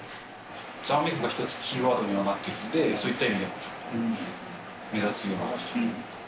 ざわめくが一つキーワードにはなっているので、そういった意味で目立つように。